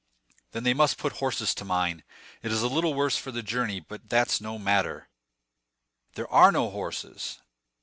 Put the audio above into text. "Then they must put horses to mine. It is a little worse for the journey, but that's no matter." "There are no horses."